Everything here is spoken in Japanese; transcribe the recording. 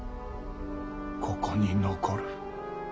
ここに残る。